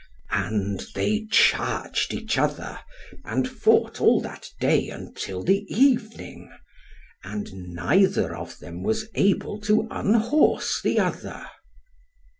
And they charged each other, and fought all that day until the evening. And neither of them was able to unhorse the other.